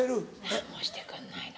何もしてくんないの。